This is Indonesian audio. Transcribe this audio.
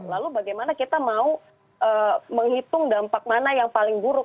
lalu bagaimana kita mau menghitung dampak mana yang paling buruk